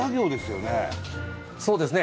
そうですね。